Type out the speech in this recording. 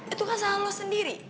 itu kan salah lo sendiri